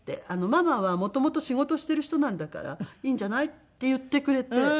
「ママは元々仕事している人なんだからいいんじゃない？」って言ってくれて。